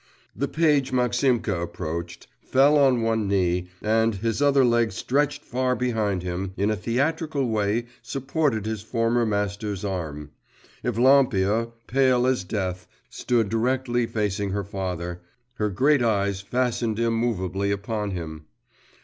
The page Maximka approached, fell on one knee, and, his other leg stretched far behind him, in a theatrical way, supported his former master's arm. Evlampia, pale as death, stood directly facing her father, her great eyes fastened immovably upon him.